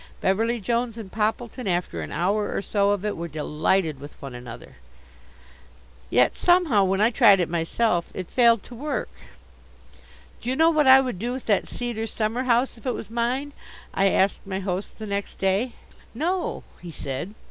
Beverly Jones and Poppleton, after an hour or so of it, were delighted with one another. Yet somehow, when I tried it myself, it failed to work. "Do you know what I would do with that cedar summer house if it was mine?" I asked my host the next day. "No," he said.